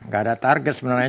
gak ada target sebenarnya